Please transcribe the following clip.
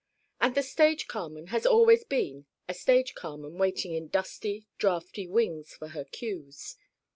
And the stage Carmen has always been a stage Carmen waiting in dusty, draughty wings for her cues.